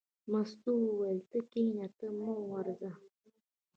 مستو وویل: ته کېنه ته مه ورځه.